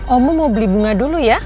omo mau beli bunga dulu ya